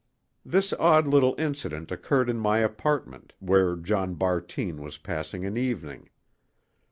This odd little incident occurred in my apartment, where John Bartine was passing an evening.